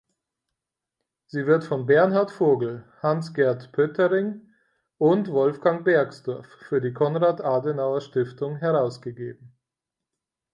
Sie wird von Bernhard Vogel, Hans-Gert Pöttering und Wolfgang Bergsdorf für die Konrad-Adenauer-Stiftung herausgegeben.